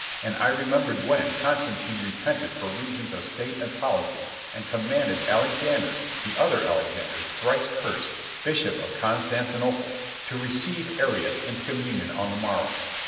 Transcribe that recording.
And I remembered when Constantine repented for reasons of state and policy and commanded Alexander—the other Alexander, thrice cursed, Bishop of Constantinople—to receive Arius into communion on the morrow.